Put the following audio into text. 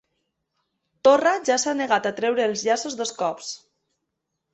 Torra ja s'ha negat a treure els llaços dos cops